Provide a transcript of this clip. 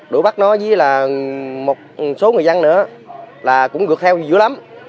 đuổi bắt nó với là một số người dân nữa là cũng gượt theo nhiều lắm